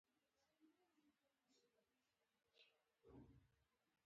چې په ننګ او په ناموس تر لوڼو کم وي